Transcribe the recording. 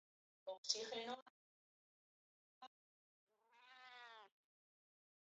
Oxigenoa eta Nitrogenoa elementu kimikoak dira.